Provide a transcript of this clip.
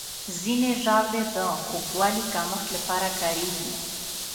ځینې ژاولې د خوږوالي کمښت لپاره کارېږي.